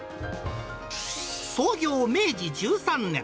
創業明治１３年。